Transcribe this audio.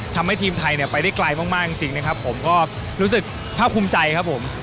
ทำให้ทีมไทยเนี่ยไปได้ไกลมากจริงนะครับผมก็รู้สึกภาพภูมิใจครับผม